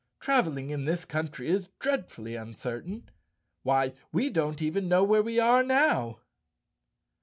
Traveling in this country is dreadfully uncertain. Why, we don't even know where we are now?"